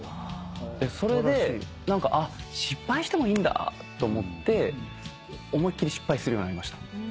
それであっ失敗してもいいんだと思って思いっ切り失敗するようになりました。